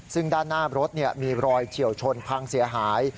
ซึ่งด้านหน้ารถมีรอยเฉียวชนพังเสียหาย